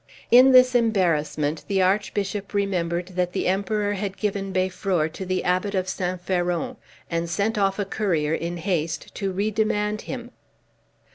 In this embarrassment the Archbishop remembered that the Emperor had given Beiffror to the Abbot of St. Faron, and sent off a courier in haste to re demand him.